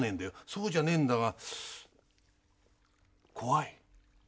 そうじゃねえんだが怖い。